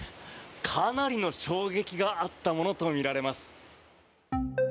かなりの衝撃があったものとみられます。